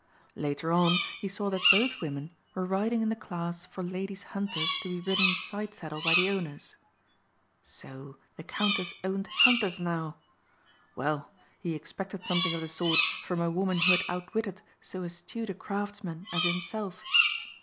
Later on he saw that both women were riding in the class for ladies' hunters, to be ridden side saddle by the owners. So the Countess owned hunters now! Well, he expected something of the sort from a woman who had outwitted so astute a craftsman as himself.